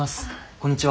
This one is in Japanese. こんにちは。